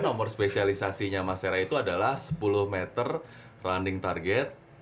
nomor spesialisasinya mas sera itu adalah sepuluh meter running target